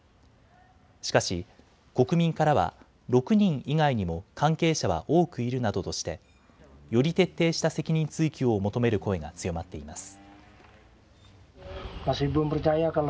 しかし国民からは６人以外にも関係者は多くいるなどとしてより徹底した責任追及を求める声が強まっています。